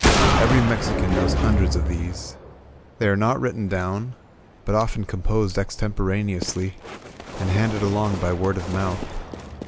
Every Mexican knows hundreds of these. They are not writ ten down, but often composed extemporaneously, and handed along by word of mouth.